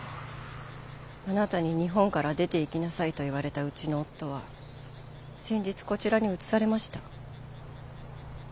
あなたに日本から出ていきなさいと言われたうちの夫は先日こちらに移されました。